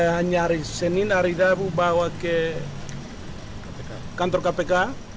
hanya hari senin hari rabu bawa ke kantor kpk